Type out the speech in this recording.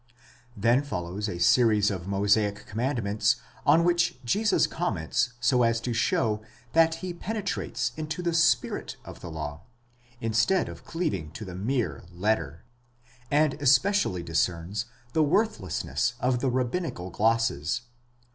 Then follows a series of Mosaic commandments, on which Jesus comments so as to show that he penetrates into the spirit of the law, instead of cleaving to the mere letter, and especially discerns the worthlessness of the rabbinical glosses (48).